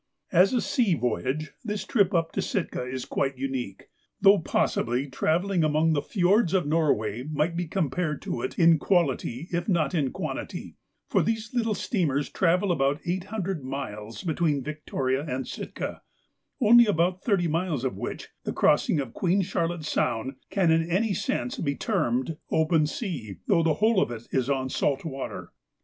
As a sea voyage this trip up to Sitka is quite unique, though possibly travelling among the fiords of Norway might be compared to it in quality if not in quantity, for these steamers travel about eight hundred miles between Victoria and Sitka, only about thirty miles of which, the crossing of Queen Charlotte's Sound, can in any sense be termed open sea, though the whole of it is on salt water.